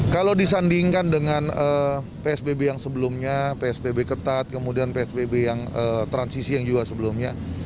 kalau disandingkan dengan psbb yang sebelumnya psbb ketat kemudian psbb yang transisi yang juga sebelumnya